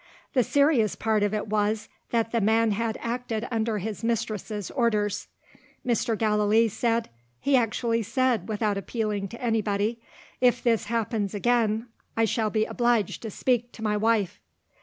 The serious part of it was, that the man had acted under his mistress's orders. Mr. Gallilee said he actually said, without appealing to anybody "If this happens again, I shall be obliged to speak to my wife."